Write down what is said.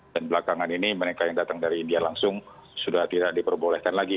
dan belakangan ini mereka yang datang dari india langsung sudah tidak diperbolehkan lagi